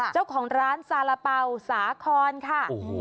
เจ้าของร้านซาระเป๋าสาครค่ะ